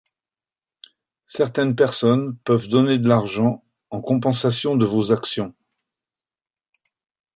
Certaines personnes peuvent donner de l'argent en compensation de vos actions.